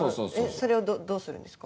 それをどうするんですか？